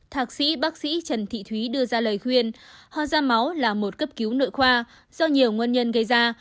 thạc sĩ bác sĩ trần thị thúy đưa ra lời khuyên ho da máu là một cấp cứu nội khoa do nhiều nguyên nhân gây ra